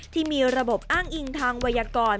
ที่มีระบบอ้างอิงทางวัยกร